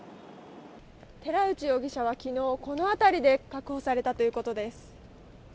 寺内容疑者は昨日この辺りで確保されたということです。